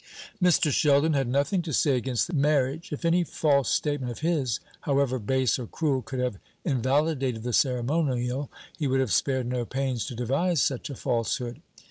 Mr. Sheldon had nothing to say against the marriage. If any false statement of his, however base or cruel, could have invalidated the ceremonial, he would have spared no pains to devise such a falsehood.